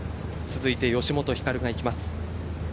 続いて、吉本ひかるがいきます。